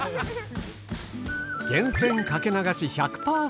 源泉掛け流し１００％。